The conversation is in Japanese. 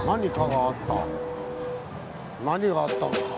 何があったのか。